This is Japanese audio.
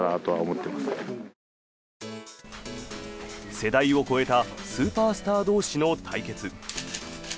世代を超えたスーパースター同士の対決。